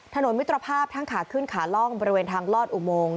มิตรภาพทั้งขาขึ้นขาล่องบริเวณทางลอดอุโมง